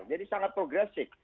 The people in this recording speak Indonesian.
jadi sangat progresif